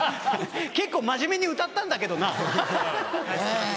結構真面目に歌ったんだけどなハハハハ。